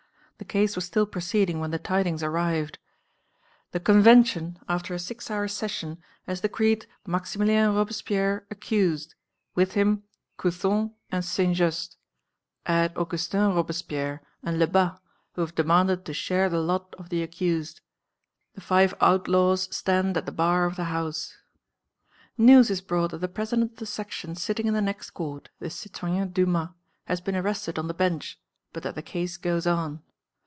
The case was still proceeding when the tidings arrived: "The Convention, after a six hours' session, has decreed Maximilien Robespierre accused, with him Couthon and Saint Just; add Augustin Robespierre, and Lebas, who have demanded to share the lot of the accused. The five outlaws stand at the bar of the house." News is brought that the President of the Section sitting in the next court, the citoyen Dumas, has been arrested on the bench, but that the case goes on.